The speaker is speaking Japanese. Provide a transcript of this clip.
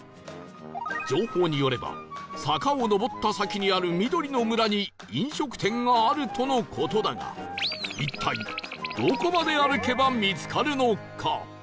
情報によれば坂を上った先にあるみどりの村に飲食店があるとの事だが一体どこまで歩けば見つかるのか？